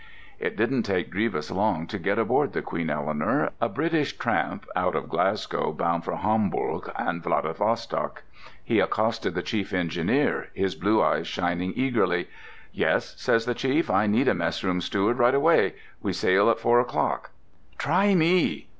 It didn't take Drevis long to get aboard the Queen Eleanor, a British tramp out of Glasgow, bound for Hamburg and Vladivostok. He accosted the chief engineer, his blue eyes shining eagerly. "Yes," says the chief, "I need a mess room steward right away—we sail at four o'clock." "Try me!"